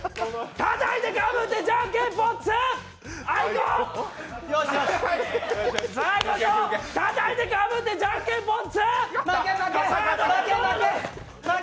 たたいてかぶってじゃんけんぽん２負け！